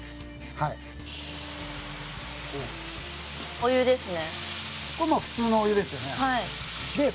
お湯ですね。